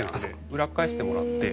裏っ返してもらって。